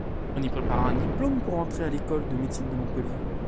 On y préparera un diplôme pour rentrer à l'école de médecine de Montpellier.